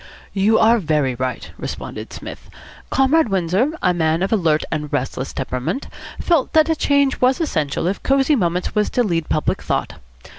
"You are very right," responded Psmith. "Comrade Windsor, a man of alert and restless temperament, felt that a change was essential if Cosy Moments was to lead public thought.